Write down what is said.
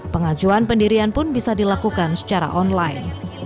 pengajuan pendirian pun bisa dilakukan secara online